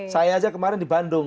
saya aja kemarin di bandung